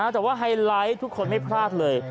แต่ว่าไฮไลท์ทุกคนไม่พลาดเลย